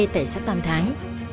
tại sát tàm thái